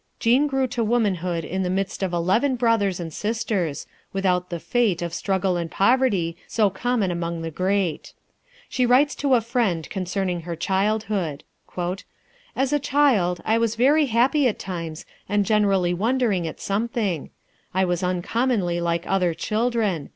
Jean grew to womanhood in the midst of eleven brothers and sisters, without the fate of struggle and poverty, so common among the great. She writes to a friend concerning her childhood: "As a child, I was very happy at times, and generally wondering at something.... I was uncommonly like other children....